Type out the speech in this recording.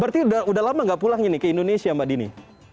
berarti udah lama gak pulang ke indonesia mbak dini